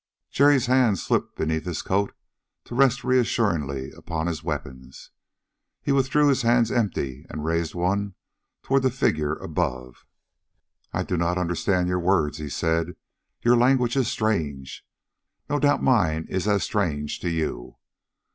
Jerry's hands slipped beneath his coat to rest reassuringly upon his weapons. He withdrew his hands empty and raised one toward the figure above. "I do not understand your words," he said. "Your language is strange. No doubt mine is as strange to you.